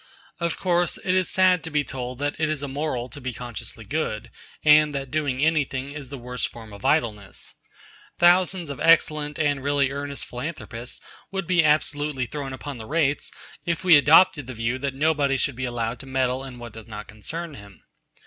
Of course it is sad to be told that it is immoral to be consciously good, and that doing anything is the worst form of idleness. Thousands of excellent and really earnest philanthropists would be absolutely thrown upon the rates if we adopted the view that nobody should be allowed to meddle in what does not concern him.